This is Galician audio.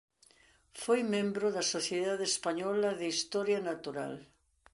Foi membro da Sociedade Española de Historia Natural.